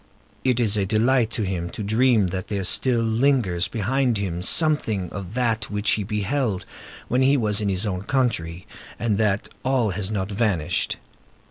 It is a delight to him to dream that there still lingers behind him something of that which he beheld when he was in his own country, and that all has not vanished.